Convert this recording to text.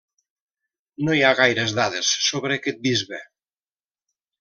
No hi ha gaires dades sobre aquest bisbe.